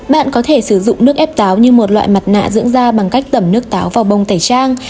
bạn có thể sử dụng nước ép táo như một loại mặt nạ dưỡng da bằng cách tẩm nước táo vào bông tẩy trang